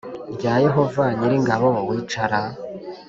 Rya yehova nyir ingabo wicara